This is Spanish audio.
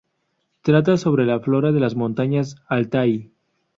Trata sobre la flora de las montañas Altái.